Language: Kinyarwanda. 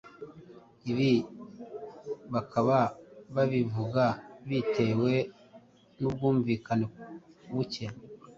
Ibi bakaba babivuga bitewe n’ubwumvikane buke